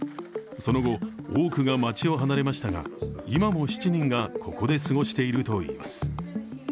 その後、多くが街を離れましたが今も７人がここで過ごしているといいます。